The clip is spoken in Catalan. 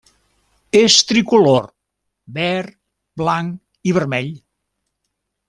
És tricolor: verd, blanc i vermell.